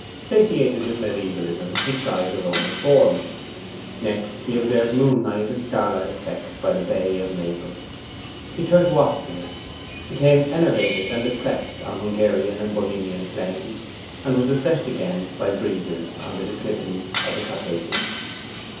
Satiated with mediaevalism, he tried the Roman Forum. Next he observed moonlight and starlight effects by the bay of Naples. He turned to Austria, became enervated and depressed on Hungarian and Bohemian plains, and was refreshed again by breezes on the declivities of the Carpathians.